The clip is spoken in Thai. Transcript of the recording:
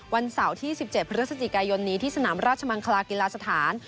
วันเสาร์ที่๑๗พฤศจิกายนนี้ที่สนามราชมังคลากีฬาสถาน